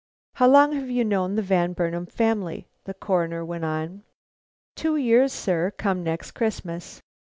"How long have you known the Van Burnam family?" the Coroner went on. "Two years, sir, come next Christmas."